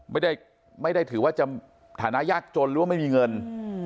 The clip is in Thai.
ไม่ได้ไม่ได้ถือว่าจะฐานะยากจนหรือว่าไม่มีเงิน